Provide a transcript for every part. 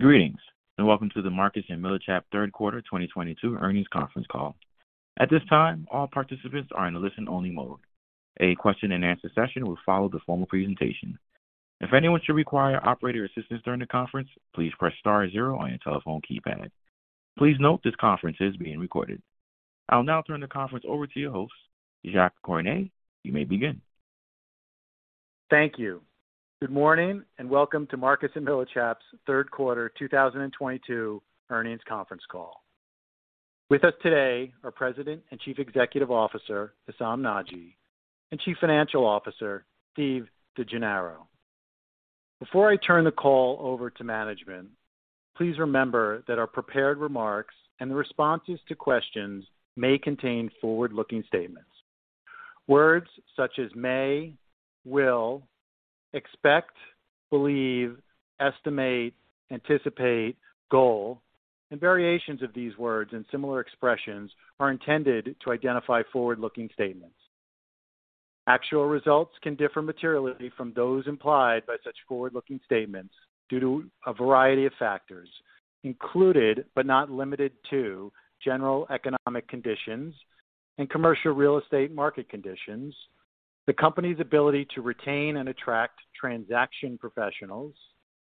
Greetings, welcome to the Marcus & Millichap Q3 2022 earnings conference call. At this time, all participants are in a listen-only mode. A question and answer session will follow the formal presentation. If anyone should require operator assistance during the conference, please press star zero on your telephone keypad. Please note this conference is being recorded. I'll now turn the conference over to your host, Jacques Cornet. You may begin. Thank you. Good morning, and welcome to Marcus & Millichap's Q3 2022 earnings conference call. With us today are President and Chief Executive Officer Hessam Nadji, and Chief Financial Officer Steve DeGennaro. Before I turn the call over to management, please remember that our prepared remarks and the responses to questions may contain forward-looking statements. Words such as may, will, expect, believe, estimate, anticipate, goal, and variations of these words and similar expressions are intended to identify forward-looking statements. Actual results can differ materially from those implied by such forward-looking statements due to a variety of factors, including but not limited to general economic conditions and commercial real estate market conditions, the Company's ability to retain and attract transaction professionals,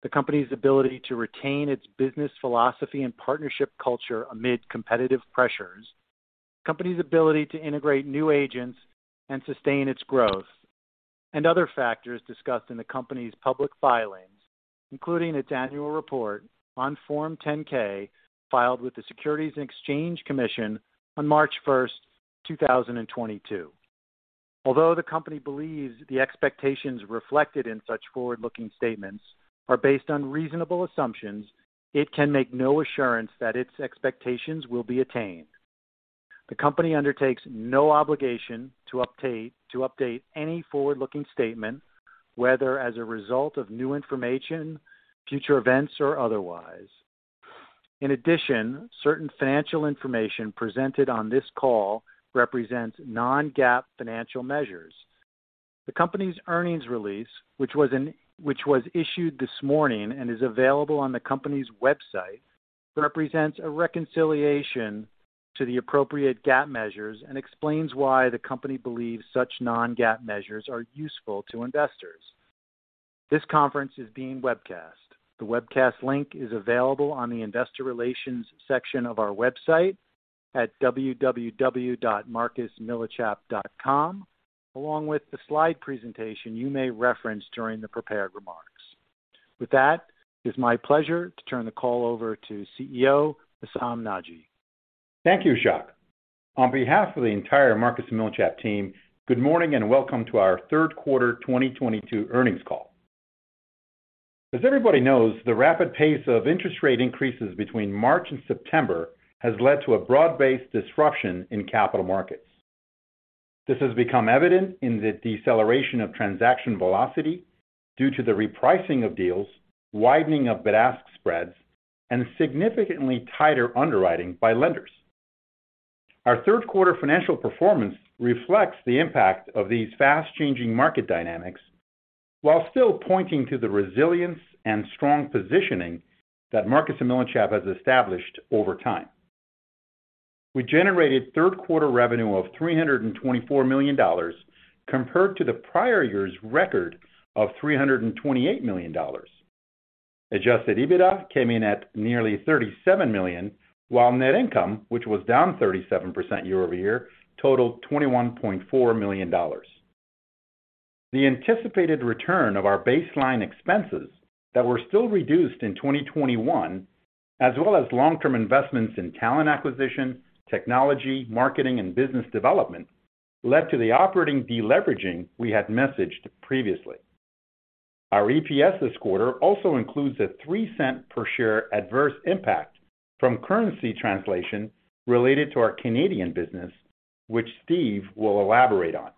the Company's ability to retain its business philosophy and partnership culture amid competitive pressures, the Company's ability to integrate new agents and sustain its growth, and other factors discussed in the Company's public filings, including its annual report on Form 10-K filed with the Securities and Exchange Commission on March 1, 2022. Although the Company believes the expectations reflected in such forward-looking statements are based on reasonable assumptions, it can make no assurance that its expectations will be attained. The Company undertakes no obligation to update any forward-looking statement, whether as a result of new information, future events, or otherwise. In addition, certain financial information presented on this call represents non-GAAP financial measures. The Company's earnings release, which was issued this morning and is available on the Company's website, represents a reconciliation to the appropriate GAAP measures and explains why the Company believes such non-GAAP measures are useful to investors. This conference is being webcast. The webcast link is available on the Investor Relations section of our website at www.marcusmillichap.com along with the slide presentation you may reference during the prepared remarks. With that, it's my pleasure to turn the call over to CEO, Hessam Nadji. Thank you, Jacques. On behalf of the entire Marcus & Millichap team, good morning and welcome to our Q3 2022 earnings call. As everybody knows, the rapid pace of interest rate increases between March and September has led to a broad-based disruption in capital markets. This has become evident in the deceleration of transaction velocity due to the repricing of deals, widening of bid-ask spreads, and significantly tighter underwriting by lenders. Our Q3 financial performance reflects the impact of these fast-changing market dynamics while still pointing to the resilience and strong positioning that Marcus & Millichap has established over time. We generated Q3 revenue of $324 million compared to the prior year's record of $328 million. Adjusted EBITDA came in at nearly $37 million, while net income, which was down 37% year-over-year, totaled $21.4 million. The anticipated return of our baseline expenses that were still reduced in 2021, as well as long-term investments in talent acquisition, technology, marketing, and business development, led to the operating deleveraging we had messaged previously. Our EPS this quarter also includes a $0.03 per share adverse impact from currency translation related to our Canadian business, which Steve will elaborate on.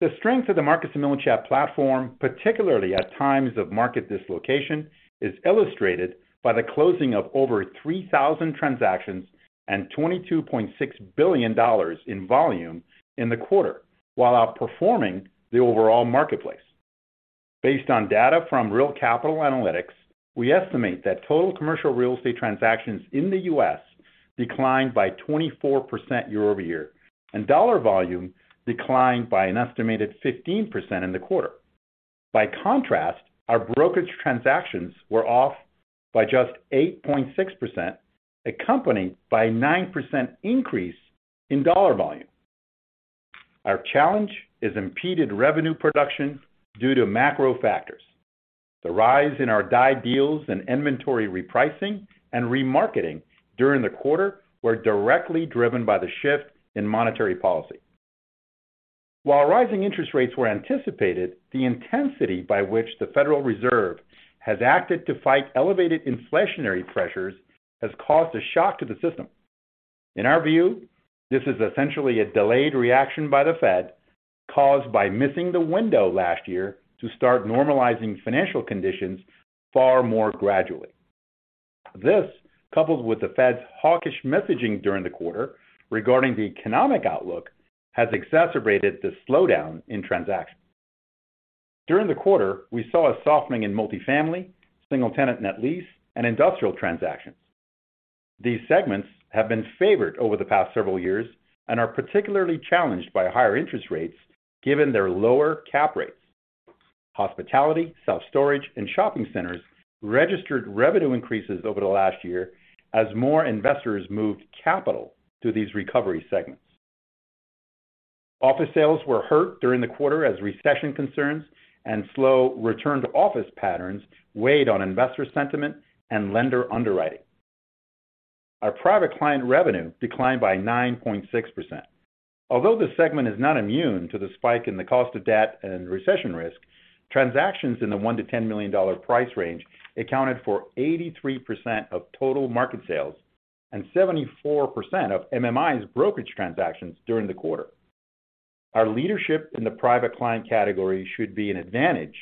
The strength of the Marcus & Millichap platform, particularly at times of market dislocation, is illustrated by the closing of over 3,000 transactions and $22.6 billion in volume in the quarter while outperforming the overall marketplace. Based on data from Real Capital Analytics, we estimate that total commercial real estate transactions in the U.S. declined by 24% year-over-year, and dollar volume declined by an estimated 15% in the quarter. By contrast, our brokerage transactions were off by just 8.6%, accompanied by 9% increase in dollar volume. Our challenge is impeded revenue production due to macro factors. The rise in our [DI] deals and inventory repricing and remarketing during the quarter were directly driven by the shift in monetary policy. While rising interest rates were anticipated, the intensity by which the Federal Reserve has acted to fight elevated inflationary pressures has caused a shock to the system. In our view, this is essentially a delayed reaction by the Fed caused by missing the window last year to start normalizing financial conditions far more gradually. This, coupled with the Fed's hawkish messaging during the quarter regarding the economic outlook, has exacerbated the slowdown in transactions. During the quarter, we saw a softening in multi-family, single-tenant net lease, and industrial transactions. These segments have been favored over the past several years and are particularly challenged by higher interest rates given their lower cap rates. Hospitality, self-storage, and shopping centers registered revenue increases over the last year as more investors moved capital to these recovery segments. Office sales were hurt during the quarter as recession concerns and slow return-to-office patterns weighed on investor sentiment and lender underwriting. Our private client revenue declined by 9.6%. Although this segment is not immune to the spike in the cost of debt and recession risk, transactions in the $1-$10 million price range accounted for 83% of total market sales and 74% of MMI's brokerage transactions during the quarter. Our leadership in the private client category should be an advantage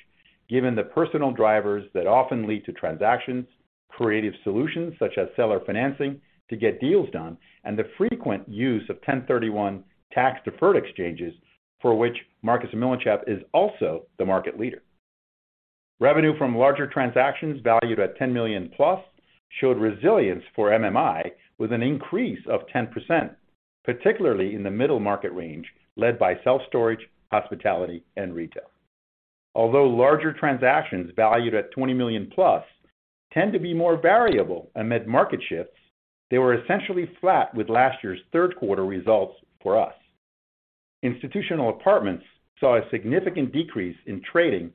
given the personal drivers that often lead to transactions, creative solutions such as seller financing to get deals done, and the frequent use of 1031 tax-deferred exchanges, for which Marcus & Millichap is also the market leader. Revenue from larger transactions valued at $10 million-plus showed resilience for MMI with an increase of 10%, particularly in the middle market range led by self-storage, hospitality, and retail. Although larger transactions valued at $20 million-plus tend to be more variable amid market shifts, they were essentially flat with last year's Q3 results for us. Institutional apartments saw a significant decrease in trading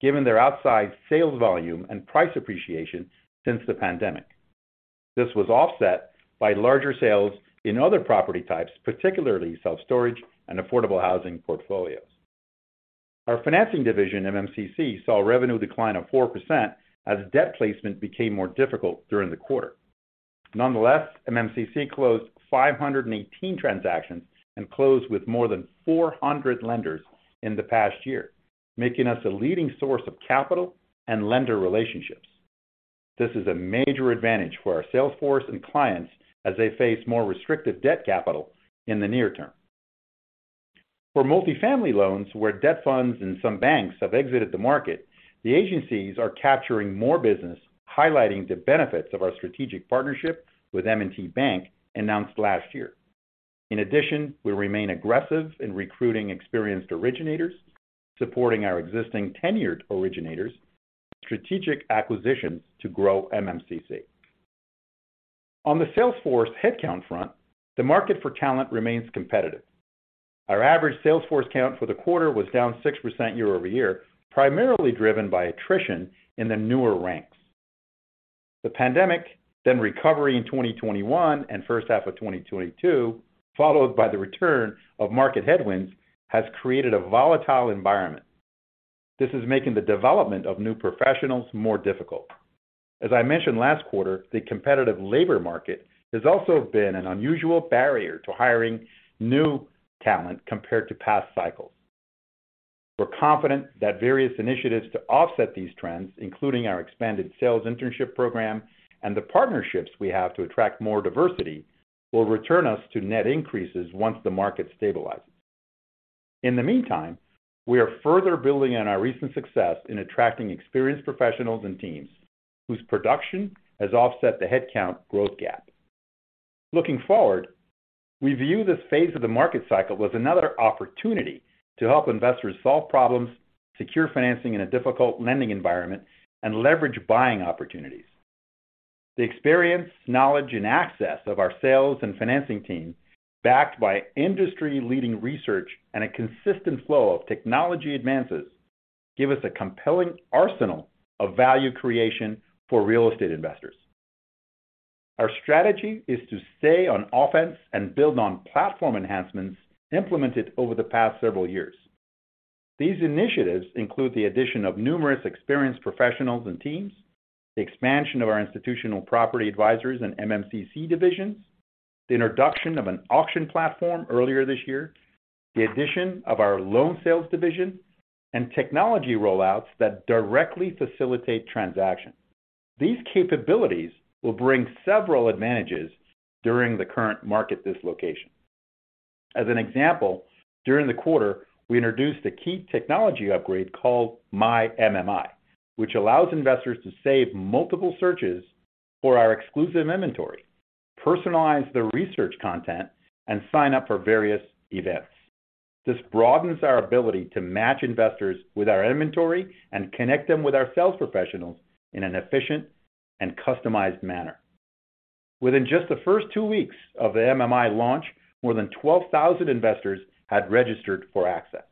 given their outside sales volume and price appreciation since the pandemic. This was offset by larger sales in other property types, particularly self-storage and affordable housing portfolios. Our financing division, MMCC, saw revenue decline of 4% as debt placement became more difficult during the quarter. Nonetheless, MMCC closed 518 transactions and closed with more than 400 lenders in the past year, making us a leading source of capital and lender relationships. This is a major advantage for our sales force and clients as they face more restrictive debt capital in the near term. For multi-family loans, where debt funds and some banks have exited the market, the agencies are capturing more business, highlighting the benefits of our strategic partnership with M&T Bank announced last year. In addition, we remain aggressive in recruiting experienced originators, supporting our existing tenured originators with strategic acquisitions to grow MMCC. On the sales force headcount front, the market for talent remains competitive. Our average sales force count for the quarter was down 6% year-over-year, primarily driven by attrition in the newer ranks. The pandemic, then recovery in 2021 and first half of 2022, followed by the return of market headwinds, has created a volatile environment. This is making the development of new professionals more difficult. As I mentioned last quarter, the competitive labor market has also been an unusual barrier to hiring new talent compared to past cycles. We're confident that various initiatives to offset these trends, including our expanded sales internship program and the partnerships we have to attract more diversity, will return us to net increases once the market stabilizes. In the meantime, we are further building on our recent success in attracting experienced professionals and teams whose production has offset the headcount growth gap. Looking forward, we view this phase of the market cycle as another opportunity to help investors solve problems, secure financing in a difficult lending environment, and leverage buying opportunities. The experience, knowledge, and access of our sales and financing team, backed by industry-leading research and a consistent flow of technology advances, give us a compelling arsenal of value creation for real estate investors. Our strategy is to stay on offense and build on platform enhancements implemented over the past several years. These initiatives include the addition of numerous experienced professionals and teams, the expansion of our Institutional Property Advisors and MMCC divisions, the introduction of an auction platform earlier this year, the addition of our loan sales division, and technology rollouts that directly facilitate transactions. These capabilities will bring several advantages during the current market dislocation. As an example, during the quarter, we introduced a key technology upgrade called My MMI, which allows investors to save multiple searches for our exclusive inventory, personalize their research content, and sign up for various events. This broadens our ability to match investors with our inventory and connect them with our sales professionals in an efficient and customized manner. Within just the first two weeks of the MMI launch, more than 12,000 investors had registered for access.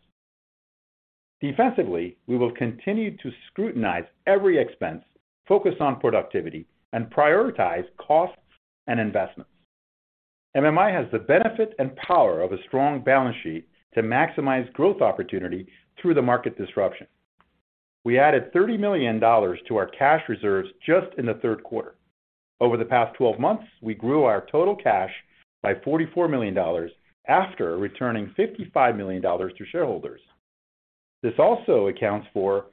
Defensively, we will continue to scrutinize every expense, focus on productivity, and prioritize costs and investments. MMI has the benefit and power of a strong balance sheet to maximize growth opportunity through the market disruption. We added $30 million to our cash reserves just in the Q3. Over the past 12 months, we grew our total cash by $44 million after returning $55 million to shareholders. This also accounts for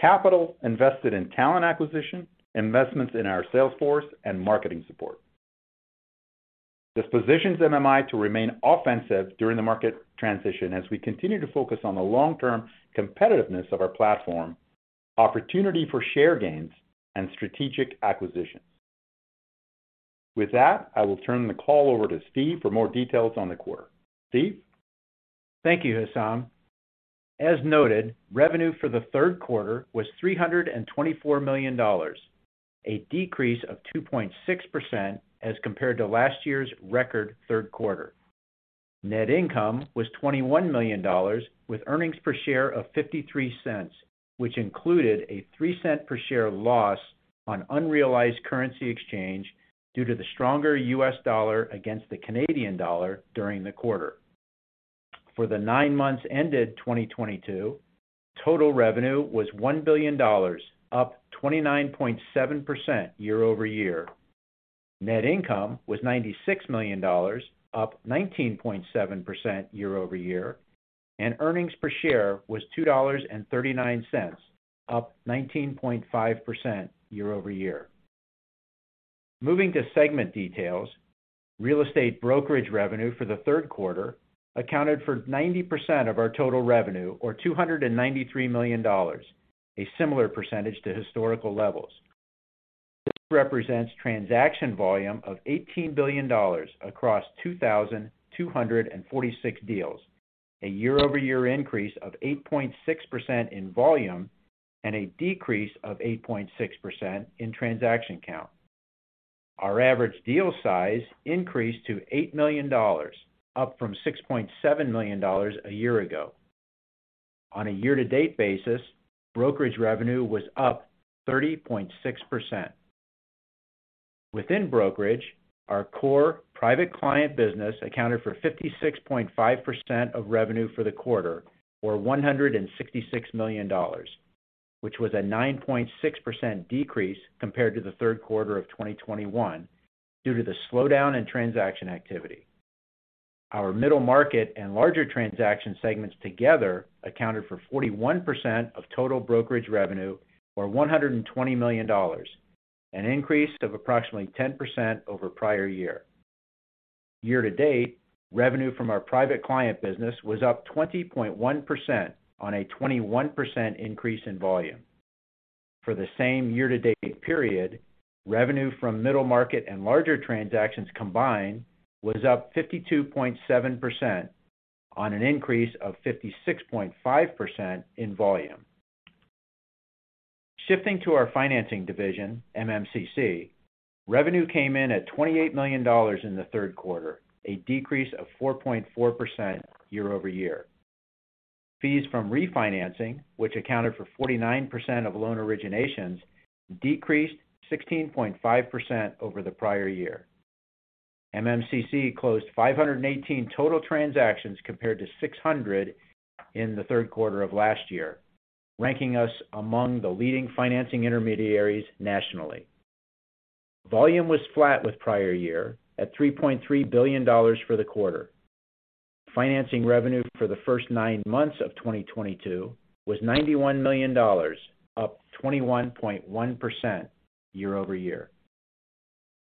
capital invested in talent acquisition, investments in our sales force and marketing support. This positions MMI to remain offensive during the market transition as we continue to focus on the long-term competitiveness of our platform, opportunity for share gains, and strategic acquisitions. With that, I will turn the call over to Steve for more details on the quarter. Steve? Thank you, Hessam. As noted, revenue for the Q3 was $324 million, a decrease of 2.6% as compared to last year's record Q3. Net income was $21 million with earnings per share of $0.53, which included a $0.03 per share loss on unrealized currency exchange due to the stronger US dollar against the Canadian dollar during the quarter. For the nine months ended 2022, total revenue was $1 billion, up 29.7% year over year. Net income was $96 million, up 19.7% year over year, and earnings per share was $2.39, up 19.5% year over year. Moving to segment details, real estate brokerage revenue for the Q3 accounted for 90% of our total revenue or $293 million, a similar percentage to historical levels. This represents transaction volume of $18 billion across 2,246 deals, a year-over-year increase of 8.6% in volume and a decrease of 8.6% in transaction count. Our average deal size increased to $8 million, up from $6.7 million a year ago. On a year-to-date basis, brokerage revenue was up 30.6%. Within brokerage, our core private client business accounted for 56.5% of revenue for the quarter, or $166 million, which was a 9.6% decrease compared to the Q3 of 2021 due to the slowdown in transaction activity. Our middle market and larger transaction segments together accounted for 41% of total brokerage revenue, or $120 million, an increase of approximately 10% over prior year. Year to date, revenue from our private client business was up 20.1% on a 21% increase in volume. For the same year-to-date period, revenue from middle market and larger transactions combined was up 52.7% on an increase of 56.5% in volume. Shifting to our financing division, MMCC, revenue came in at $28 million in the Q3 a decrease of 4.4% year-over-year. Fees from refinancing, which accounted for 49% of loan originations, decreased 16.5% over the prior year. MMCC closed 518 total transactions compared to 600 in the Q3 of last year, ranking us among the leading financing intermediaries nationally. Volume was flat with prior year at $3.3 billion for the quarter. Financing revenue for the first nine months of 2022 was $91 million, up 21.1% year-over-year.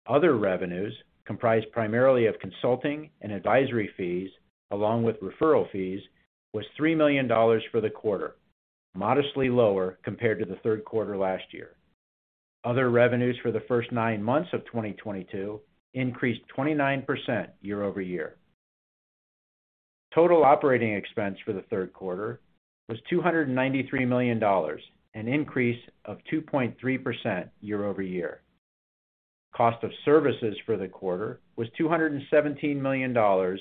Other revenues, comprised primarily of consulting and advisory fees along with referral fees, was $3 million for the quarter, modestly lower compared to the Q3 last year. Other revenues for the first nine months of 2022 increased 29% year-over-year. Total operating expense for the Q3 was $293 million, an increase of 2.3% year-over-year. Cost of services for the quarter was $217 million or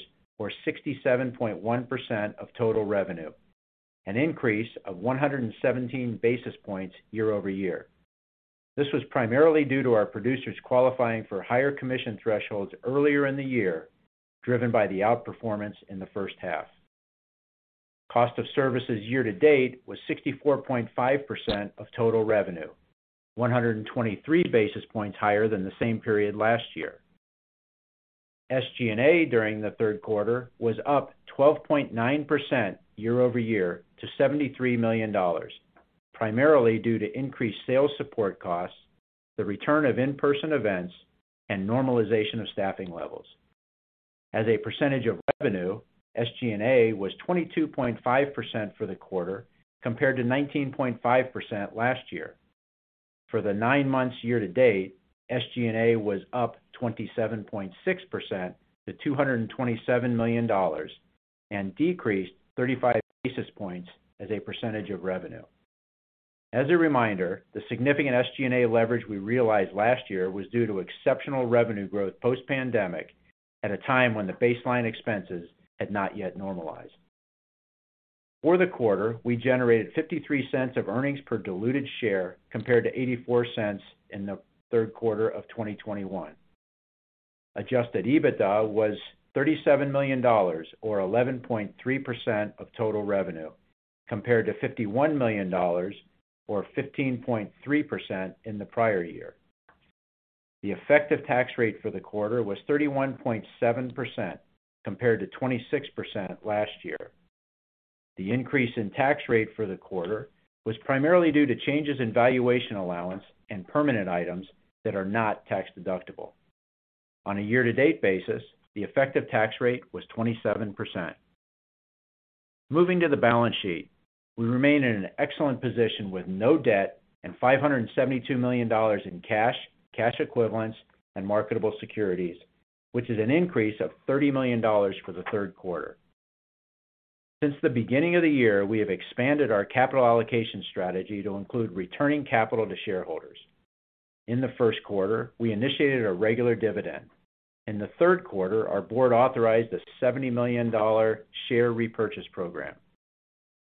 67.1% of total revenue, an increase of 117 basis points year-over-year. This was primarily due to our producers qualifying for higher commission thresholds earlier in the year, driven by the outperformance in the first half. Cost of services year to date was 64.5% of total revenue, 123 basis points higher than the same period last year. SG&A during the third quarter was up 12.9% year-over-year to $73 million, primarily due to increased sales support costs, the return of in-person events, and normalization of staffing levels. As a percentage of revenue, SG&A was 22.5% for the quarter, compared to 19.5% last year. For the nine months year to date, SG&A was up 27.6% to $227 million and decreased 35 basis points as a percentage of revenue. As a reminder, the significant SG&A leverage we realized last year was due to exceptional revenue growth post-pandemic at a time when the baseline expenses had not yet normalized. For the quarter, we generated $0.53 of earnings per diluted share, compared to $0.84 in the Q3 of 2021. Adjusted EBITDA was $37 million or 11.3% of total revenue, compared to $51 million or 15.3% in the prior year. The effective tax rate for the quarter was 31.7%, compared to 26% last year. The increase in tax rate for the quarter was primarily due to changes in valuation allowance and permanent items that are not tax-deductible. On a year-to-date basis, the effective tax rate was 27%. Moving to the balance sheet. We remain in an excellent position with no debt and $572 million in cash equivalents, and marketable securities, which is an increase of $30 million for the Q3. Since the beginning of the year, we have expanded our capital allocation strategy to include returning capital to shareholders. In the Q1, we initiated a regular dividend. In the Q3, our board authorized a $70 million share repurchase program.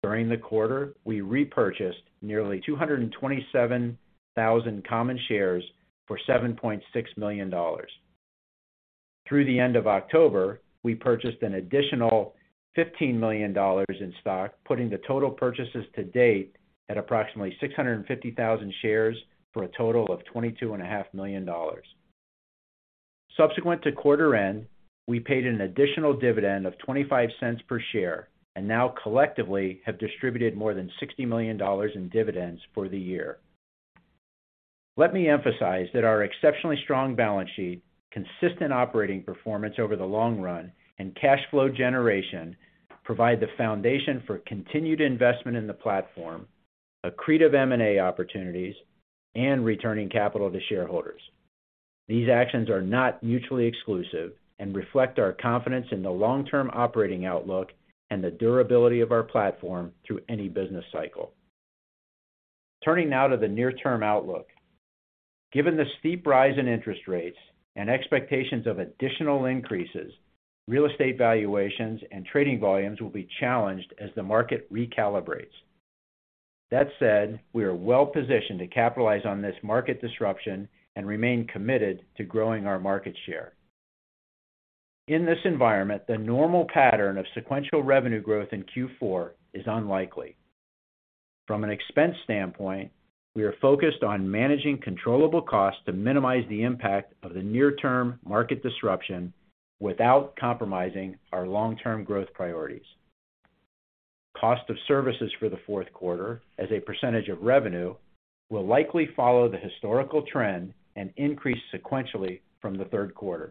During the quarter, we repurchased nearly 227,000 common shares for $7.6 million. Through the end of October, we purchased an additional $15 million in stock, putting the total purchases to date at approximately 650,000 shares for a total of $22.5 million. Subsequent to quarter end, we paid an additional dividend of $0.25 per share and now collectively have distributed more than $60 million in dividends for the year. Let me emphasize that our exceptionally strong balance sheet, consistent operating performance over the long run, and cash flow generation provide the foundation for continued investment in the platform, accretive M&A opportunities, and returning capital to shareholders. These actions are not mutually exclusive and reflect our confidence in the long-term operating outlook and the durability of our platform through any business cycle. Turning now to the near-term outlook. Given the steep rise in interest rates and expectations of additional increases, real estate valuations and trading volumes will be challenged as the market recalibrates. That said, we are well positioned to capitalize on this market disruption and remain committed to growing our market share. In this environment, the normal pattern of sequential revenue growth in Q4 is unlikely. From an expense standpoint, we are focused on managing controllable costs to minimize the impact of the near-term market disruption without compromising our long-term growth priorities. Cost of services for the Q4 as a percentage of revenue will likely follow the historical trend and increase sequentially from the Q3.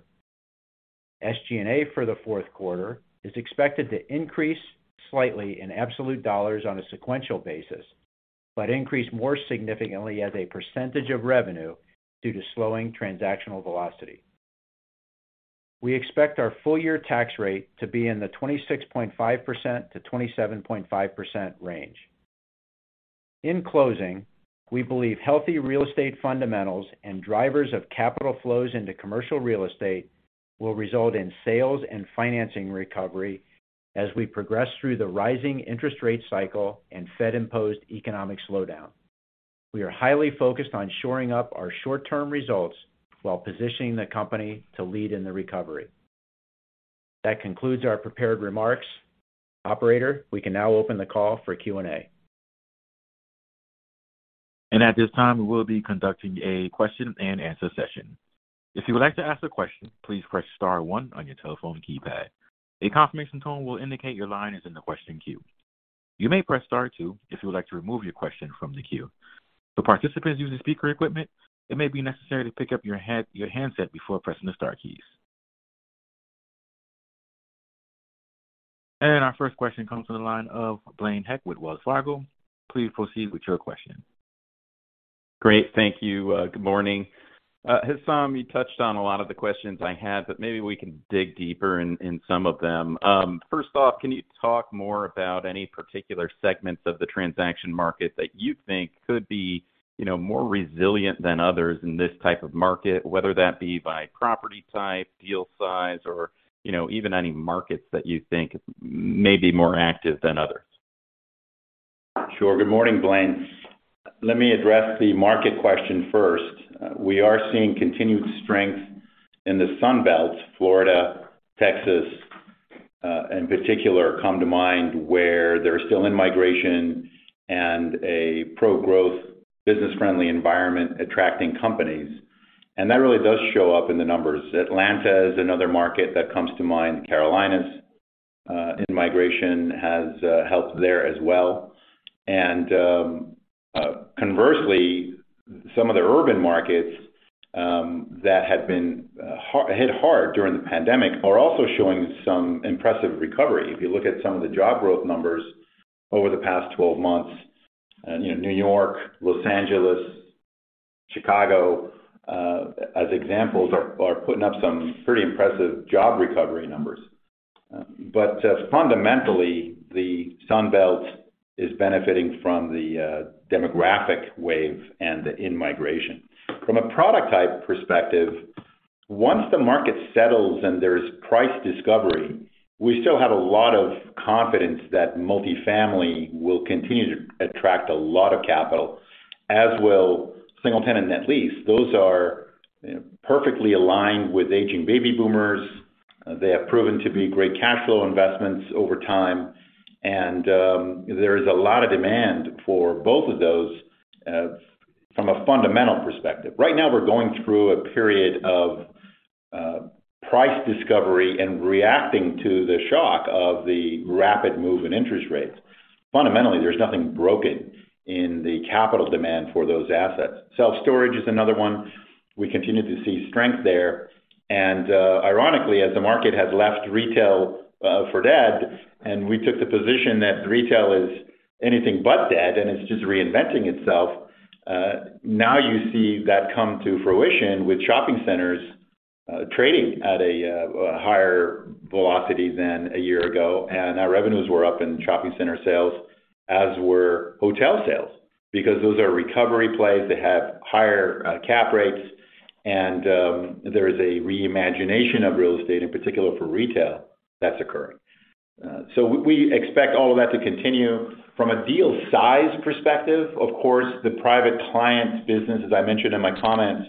SG&A for the Q4 is expected to increase slightly in absolute dollars on a sequential basis, but increase more significantly as a percentage of revenue due to slowing transactional velocity. We expect our full year tax rate to be in the 26.5%-27.5% range. In closing, we believe healthy real estate fundamentals and drivers of capital flows into commercial real estate will result in sales and financing recovery as we progress through the rising interest rate cycle and Fed-imposed economic slowdown. We are highly focused on shoring up our short-term results while positioning the company to lead in the recovery. That concludes our prepared remarks. Operator, we can now open the call for Q&A. At this time, we will be conducting a question and answer session. If you would like to ask a question, please press star one on your telephone keypad. A confirmation tone will indicate your line is in the question queue. You may press star two if you would like to remove your question from the queue. For participants using speaker equipment, it may be necessary to pick up your handset before pressing the star keys. Our first question comes to the line of Blaine Heck with Wells Fargo. Please proceed with your question. Great. Thank you. Good morning. Hessam, you touched on a lot of the questions I had, but maybe we can dig deeper in some of them. First off, can you talk more about any particular segments of the transaction market that you think could be, you know, more resilient than others in this type of market, whether that be by property type, deal size, or, you know, even any markets that you think may be more active than others? Sure. Good morning, Blaine. Let me address the market question first. We are seeing continued strength in the Sun Belt, Florida, Texas, in particular, come to mind, where there's still in-migration and a pro-growth, business-friendly environment attracting companies. That really does show up in the numbers. Atlanta is another market that comes to mind. The Carolinas, in-migration has helped there as well. Conversely, some of the urban markets, that had been hit hard during the pandemic are also showing some impressive recovery. If you look at some of the job growth numbers over the past 12 months, you know, New York, Los Angeles, Chicago, as examples, are putting up some pretty impressive job recovery numbers. But fundamentally, the Sun Belt is benefiting from the demographic wave and the in-migration. From a product type perspective, once the market settles and there's price discovery, we still have a lot of confidence that multifamily will continue to attract a lot of capital, as will single-tenant net lease. Those are, you know, perfectly aligned with aging baby boomers. They have proven to be great cash flow investments over time. There is a lot of demand for both of those from a fundamental perspective. Right now, we're going through a period of price discovery and reacting to the shock of the rapid move in interest rates. Fundamentally, there's nothing broken in the capital demand for those assets. Self-storage is another one. We continue to see strength there. Ironically, as the market has left retail for dead, and we took the position that retail is anything but dead, and it's just reinventing itself, now you see that come to fruition with shopping centers trading at a higher velocity than a year ago. Our revenues were up in shopping center sales, as were hotel sales, because those are recovery plays. They have higher cap rates and there is a re-imagination of real estate, in particular for retail, that's occurring. We expect all of that to continue. From a deal size perspective, of course, the private clients business, as I mentioned in my comments,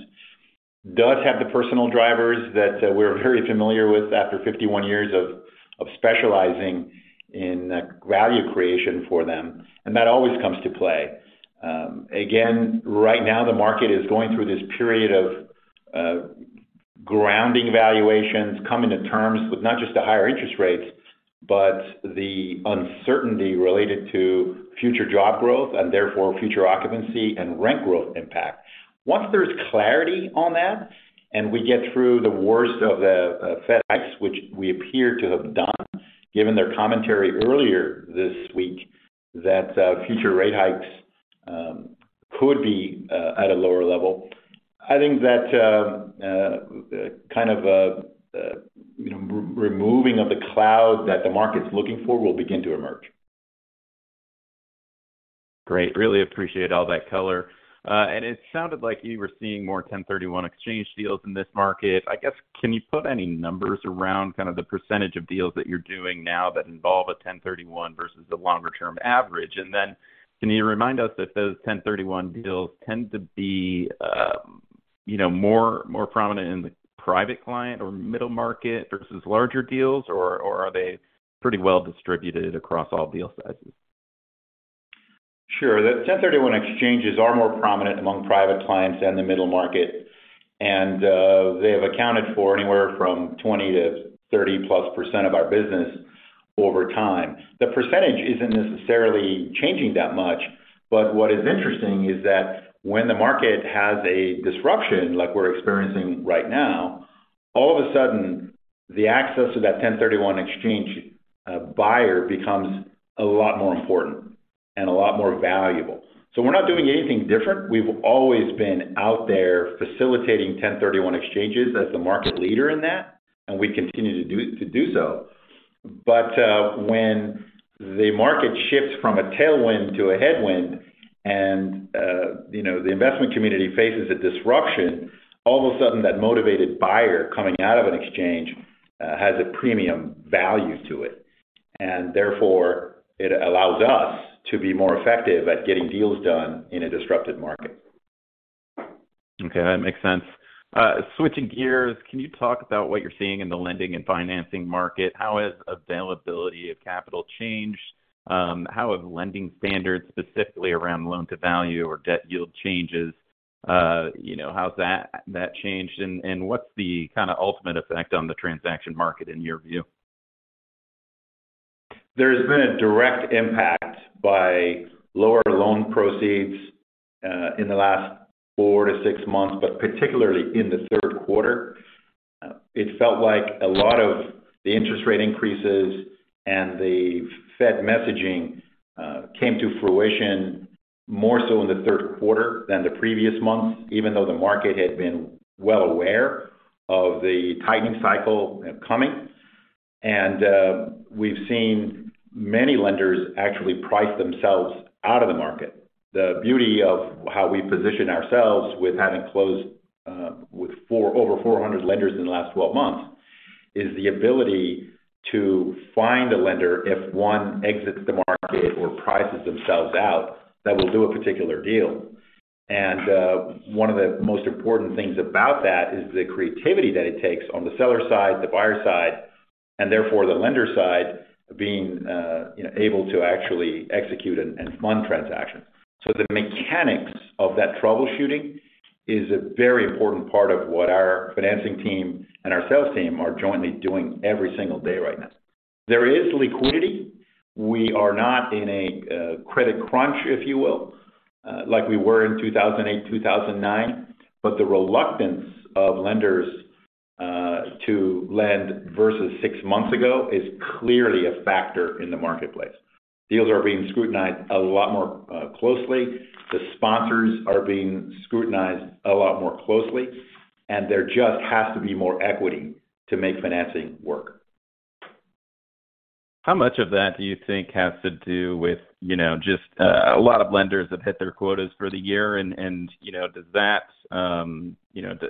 does have the personal drivers that we're very familiar with after 51 years of specializing in value creation for them, and that always comes to play. Again, right now the market is going through this period of grounding valuations, coming to terms with not just the higher interest rates, but the uncertainty related to future job growth, and therefore future occupancy and rent growth impact. Once there's clarity on that, and we get through the worst of the Fed hikes, which we appear to have done, given their commentary earlier this week that future rate hikes could be at a lower level. I think that kind of a you know removing of the cloud that the market's looking for will begin to emerge. Great. Really appreciate all that color. It sounded like you were seeing more 1031 exchange deals in this market. I guess, can you put any numbers around kind of the percentage of deals that you're doing now that involve a 1031 versus the longer term average? Can you remind us if those 1031 deals tend to be, you know, more prominent in the private client or middle market versus larger deals, or are they pretty well distributed across all deal sizes? Sure. The 1031 exchanges are more prominent among private clients and the middle market. They have accounted for anywhere from 20% to 30%+ of our business over time. The percentage isn't necessarily changing that much, but what is interesting is that when the market has a disruption like we're experiencing right now, all of a sudden, the access to that 1031 exchange buyer becomes a lot more important and a lot more valuable. We're not doing anything different. We've always been out there facilitating 1031 exchanges as the market leader in that, and we continue to do so. When the market shifts from a tailwind to a headwind and, you know, the investment community faces a disruption, all of a sudden that motivated buyer coming out of an exchange has a premium value to it, and therefore it allows us to be more effective at getting deals done in a disrupted market. Okay, that makes sense. Switching gears, can you talk about what you're seeing in the lending and financing market? How has availability of capital changed? How have lending standards, specifically around loan-to-value or debt yield changes, how has that changed? What's the kinda ultimate effect on the transaction market in your view? There's been a direct impact by lower loan proceeds in the last 4-6 months, but particularly in the Q3. It felt like a lot of the interest rate increases and the Fed messaging came to fruition more so in the Q3 than the previous months, even though the market had been well aware of the tightening cycle coming. We've seen many lenders actually price themselves out of the market. The beauty of how we position ourselves with having closed with over 400 lenders in the last 12 months is the ability to find a lender if one exits the market or prices themselves out that will do a particular deal. One of the most important things about that is the creativity that it takes on the seller side, the buyer side, and therefore the lender side being, you know, able to actually execute and fund transactions. The mechanics of that troubleshooting is a very important part of what our financing team and our sales team are jointly doing every single day right now. There is liquidity. We are not in a credit crunch, if you will, like we were in 2008, 2009. The reluctance of lenders to lend versus six months ago is clearly a factor in the marketplace. Deals are being scrutinized a lot more closely. The sponsors are being scrutinized a lot more closely, and there just has to be more equity to make financing work. How much of that do you think has to do with, you know, just a lot of lenders have hit their quotas for the year?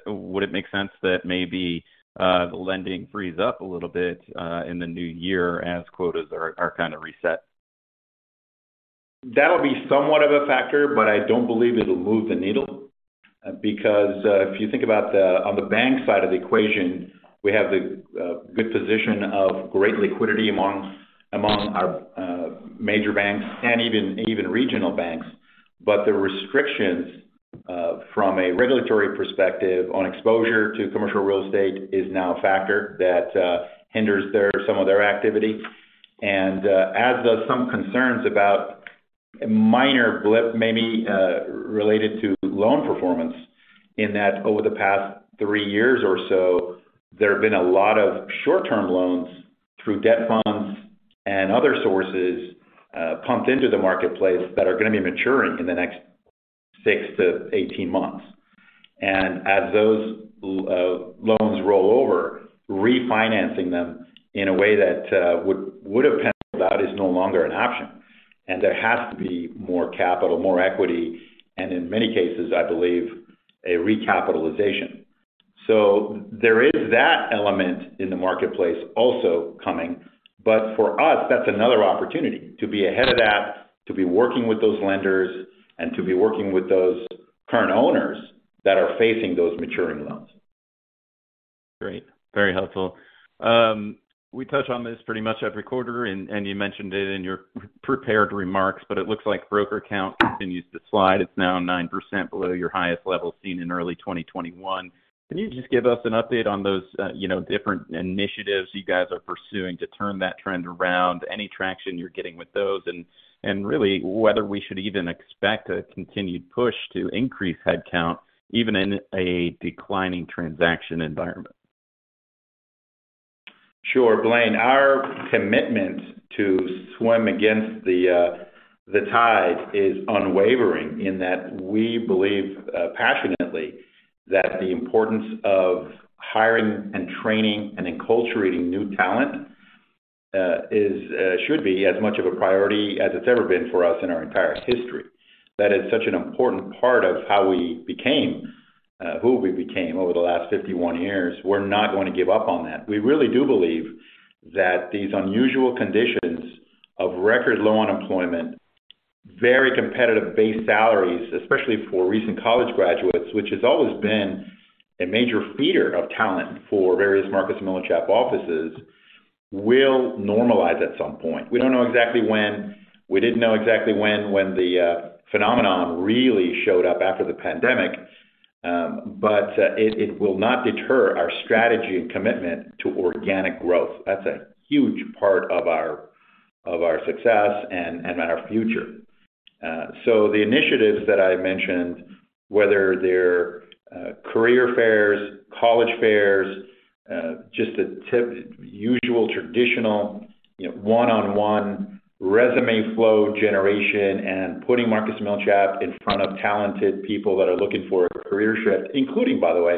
Would it make sense that maybe the lending frees up a little bit in the new year as quotas are kinda reset? That'll be somewhat of a factor, but I don't believe it'll move the needle. Because if you think about on the bank side of the equation, we have the good position of great liquidity among our major banks and even regional banks. The restrictions from a regulatory perspective on exposure to commercial real estate is now a factor that hinders some of their activity. As does some concerns about a minor blip, maybe related to loan performance in that over the past three years or so, there have been a lot of short-term loans through debt funds and other sources pumped into the marketplace that are gonna be maturing in the next 6-18 months. As those loans roll over, refinancing them in a way that would have panned out is no longer an option. There has to be more capital, more equity, and in many cases, I believe, a recapitalization. There is that element in the marketplace also coming, but for us, that's another opportunity to be ahead of that, to be working with those lenders and to be working with those current owners that are facing those maturing loans. Great. Very helpful. We touch on this pretty much every quarter and you mentioned it in your prepared remarks, but it looks like broker count continues to slide. It's now 9% below your highest level seen in early 2021. Can you just give us an update on those, you know, different initiatives you guys are pursuing to turn that trend around? Any traction you're getting with those? And really, whether we should even expect a continued push to increase headcount, even in a declining transaction environment. Sure, Blaine. Our commitment to swim against the tide is unwavering in that we believe passionately that the importance of hiring and training and enculturating new talent should be as much of a priority as it's ever been for us in our entire history. That is such an important part of how we became who we became over the last 51 years. We're not going to give up on that. We really do believe that these unusual conditions of record low unemployment, very competitive base salaries, especially for recent college graduates, which has always been a major feeder of talent for various Marcus & Millichap offices, will normalize at some point. We don't know exactly when. We didn't know exactly when the phenomenon really showed up after the pandemic, but it will not deter our strategy and commitment to organic growth. That's a huge part of our success and our future. The initiatives that I mentioned, whether they're career fairs, college fairs, just the usual traditional, you know, one-on-one resume flow generation and putting Marcus & Millichap in front of talented people that are looking for a career shift, including, by the way,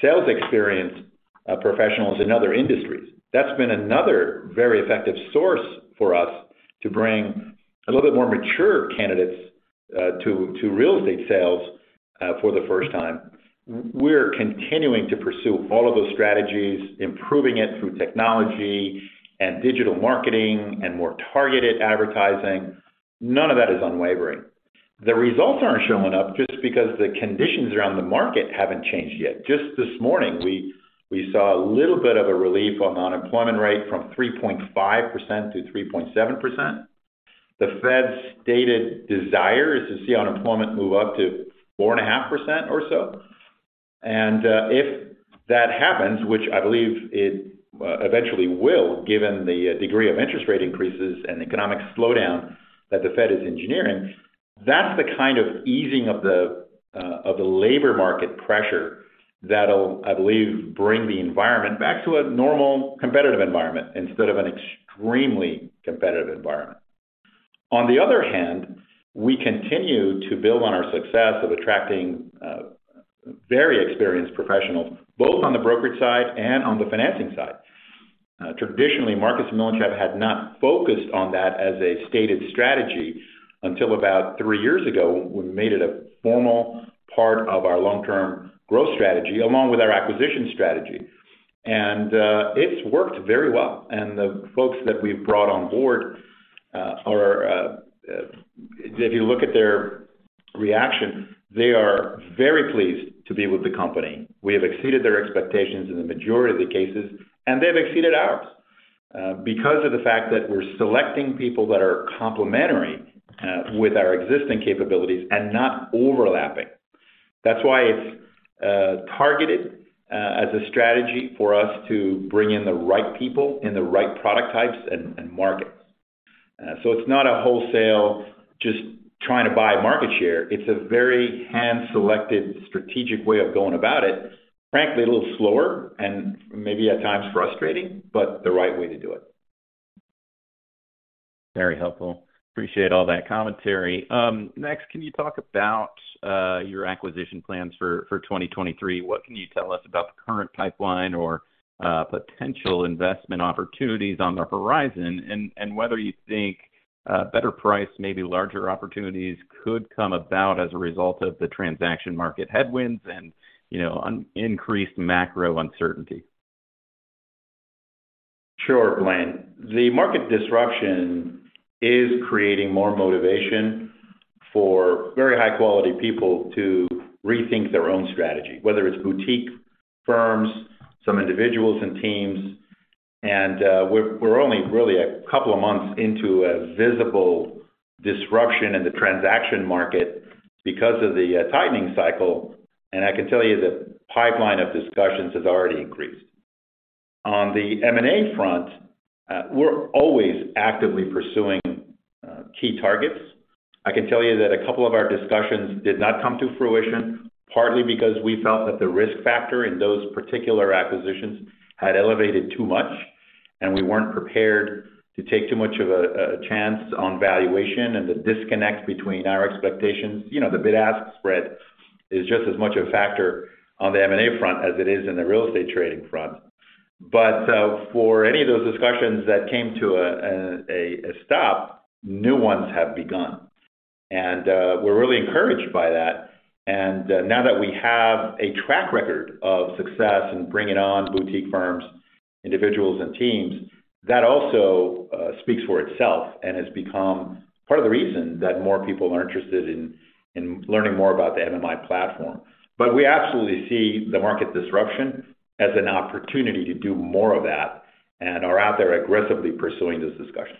sales experience professionals in other industries. That's been another very effective source for us to bring a little bit more mature candidates to real estate sales for the first time. We're continuing to pursue all of those strategies, improving it through technology and digital marketing and more targeted advertising. None of that is unwavering. The results aren't showing up just because the conditions around the market haven't changed yet. Just this morning, we saw a little bit of a relief on unemployment rate from 3.5%-3.7%. The Fed's stated desire is to see unemployment move up to 4.5% or so. If that happens, which I believe it eventually will, given the degree of interest rate increases and economic slowdown that the Fed is engineering, that's the kind of easing of the labor market pressure that'll, I believe, bring the environment back to a normal competitive environment instead of an extremely competitive environment. On the other hand, we continue to build on our success of attracting very experienced professionals, both on the brokerage side and on the financing side. Traditionally, Marcus & Millichap had not focused on that as a stated strategy until about three years ago, when we made it a formal part of our long-term growth strategy, along with our acquisition strategy. It's worked very well. The folks that we've brought on board are, if you look at their reaction, they are very pleased to be with the company. We have exceeded their expectations in the majority of the cases, and they've exceeded ours because of the fact that we're selecting people that are complementary with our existing capabilities and not overlapping. That's why it's targeted as a strategy for us to bring in the right people in the right product types and markets. It's not a wholesale just trying to buy market share. It's a very hand-selected strategic way of going about it. Frankly, a little slower and maybe at times frustrating, but the right way to do it. Very helpful. Appreciate all that commentary. Next, can you talk about your acquisition plans for 2023? What can you tell us about the current pipeline or potential investment opportunities on the horizon? Whether you think a better price, maybe larger opportunities could come about as a result of the transaction market headwinds and, you know, increased macro uncertainty. Sure, Blaine. The market disruption is creating more motivation for very high quality people to rethink their own strategy, whether it's boutique firms, some individuals and teams. We're only really a couple of months into a visible disruption in the transaction market because of the tightening cycle. I can tell you the pipeline of discussions has already increased. On the M&A front, we're always actively pursuing key targets. I can tell you that a couple of our discussions did not come to fruition, partly because we felt that the risk factor in those particular acquisitions had elevated too much, and we weren't prepared to take too much of a chance on valuation. The disconnect between our expectations, you know, the bid-ask spread is just as much a factor on the M&A front as it is in the real estate trading front. For any of those discussions that came to a stop, new ones have begun. We're really encouraged by that. Now that we have a track record of success in bringing on boutique firms, individuals and teams, that also speaks for itself and has become part of the reason that more people are interested in learning more about the MMI platform. We absolutely see the market disruption as an opportunity to do more of that and are out there aggressively pursuing those discussions.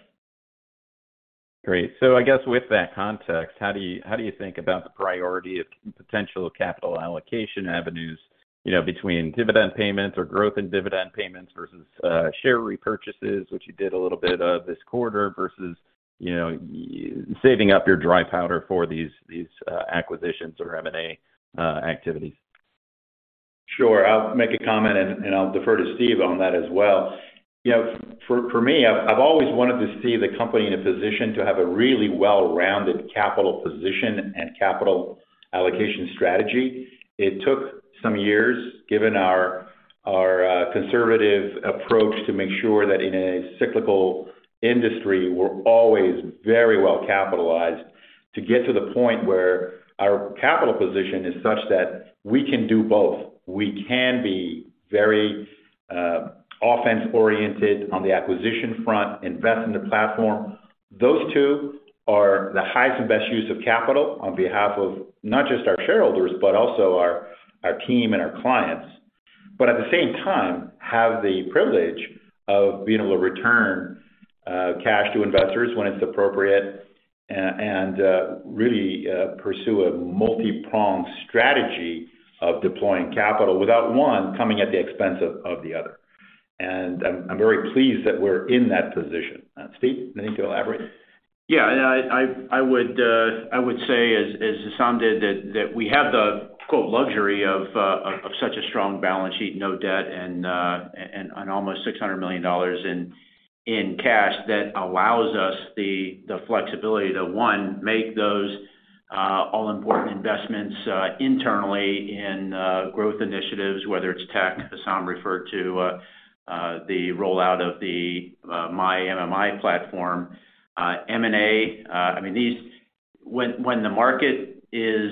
Great. I guess with that context, how do you think about the priority of potential capital allocation avenues, you know, between dividend payments or growth in dividend payments versus, share repurchases, which you did a little bit of this quarter, versus, you know, saving up your dry powder for these acquisitions or M&A activities? Sure. I'll make a comment and I'll defer to Steve on that as well. You know, for me, I've always wanted to see the company in a position to have a really well-rounded capital position and capital allocation strategy. It took some years, given our conservative approach to make sure that in a cyclical industry, we're always very well capitalized to get to the point where our capital position is such that we can do both. We can be very offense-oriented on the acquisition front, invest in the platform. Those two are the highest and best use of capital on behalf of not just our shareholders, but also our team and our clients. At the same time, have the privilege of being able to return cash to investors when it's appropriate and really pursue a multi-pronged strategy of deploying capital without one coming at the expense of the other. I'm very pleased that we're in that position. Steve, anything to elaborate? Yeah. I would say as Hessam did that we have the "luxury" of such a strong balance sheet, no debt and almost $600 million in cash that allows us the flexibility to one, make those all-important investments internally in growth initiatives, whether it's tech, Hessam referred to, the rollout of the MyMMI platform, M&A. I mean, these when the market is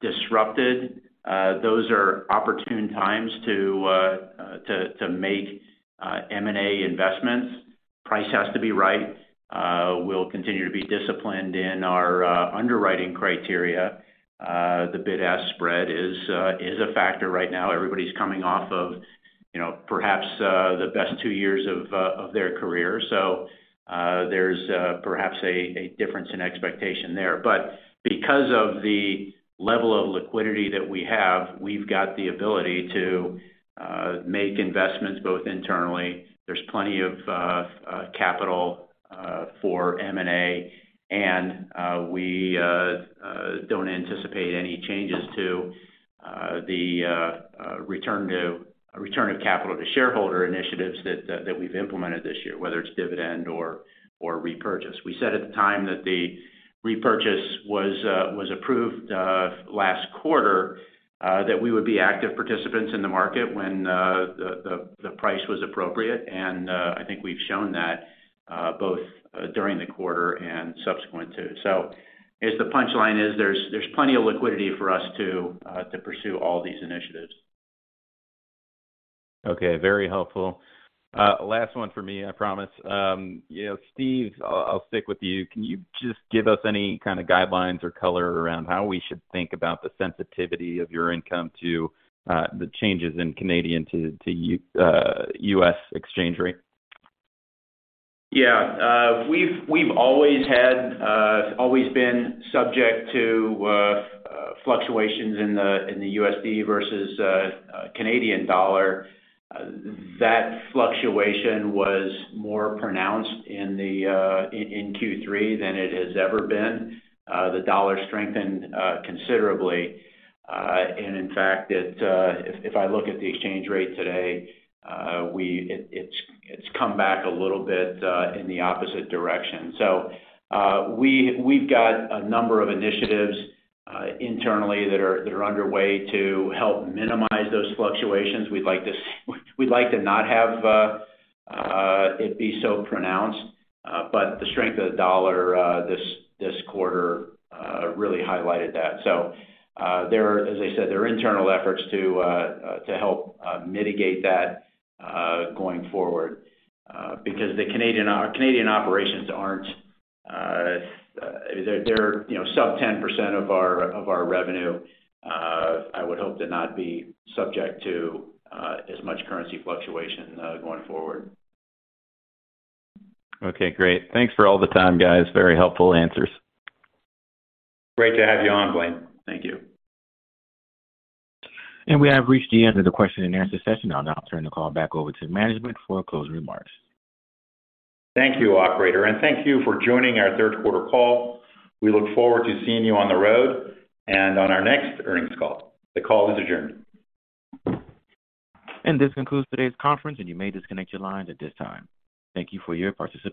disrupted, those are opportune times to make M&A investments. Price has to be right. We'll continue to be disciplined in our underwriting criteria. The bid-ask spread is a factor right now. Everybody's coming off of, you know, perhaps the best two years of their career. There's perhaps a difference in expectation there. Because of the level of liquidity that we have, we've got the ability to make investments both internally. There's plenty of capital for M&A. We don't anticipate any changes to the return of capital to shareholder initiatives that we've implemented this year, whether it's dividend or repurchase. We said at the time that the repurchase was approved last quarter that we would be active participants in the market when the price was appropriate. I think we've shown that both during the quarter and subsequent to. I guess the punchline is there's plenty of liquidity for us to pursue all these initiatives. Okay, very helpful. Last one for me, I promise. You know, Steve, I'll stick with you. Can you just give us any kind of guidelines or color around how we should think about the sensitivity of your income to the changes in Canadian to U.S. exchange rate? Yeah. We've always been subject to fluctuations in the USD versus Canadian dollar. That fluctuation was more pronounced in Q3 than it has ever been. The dollar strengthened considerably. In fact, if I look at the exchange rate today, it's come back a little bit in the opposite direction. We've got a number of initiatives internally that are underway to help minimize those fluctuations. We'd like to not have it be so pronounced. The strength of the dollar this quarter really highlighted that. There are, as I said, internal efforts to help mitigate that going forward, because the Canadian operations, they're you know sub 10% of our revenue. I would hope to not be subject to as much currency fluctuation going forward. Okay, great. Thanks for all the time, guys. Very helpful answers. Great to have you on, Blaine. Thank you. We have reached the end of the question and answer session. I'll now turn the call back over to management for closing remarks. Thank you, operator, and thank you for joining our Q3 call. We look forward to seeing you on the road and on our next earnings call. The call is adjourned. This concludes today's conference, and you may disconnect your lines at this time. Thank you for your participation